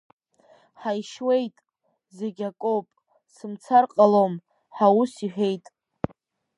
Ҳаишьует, зегь акоуп, сымцар ҟалом, ҳа ус иҳәит.